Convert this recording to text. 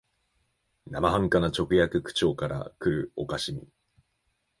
生半可な直訳口調からくる可笑しみ、